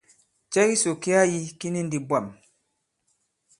Cɛ kisò ki a yī ki ni ndī bwâm.